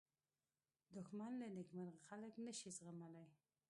دښمن له نېکمرغه خلک نه شي زغملی